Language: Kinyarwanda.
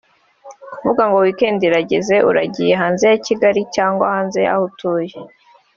kuvuga ngo wikendi irageze uragiye hanze ya Kigali cyangwa hanze y’aho utuye